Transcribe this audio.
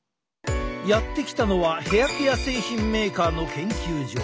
やって来たのはヘアケア製品メーカーの研究所。